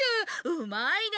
うまいね！